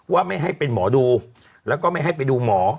ว่าไม่ให้เป็นหมอดูแล้วก็ไม่ให้ไปดูหมอ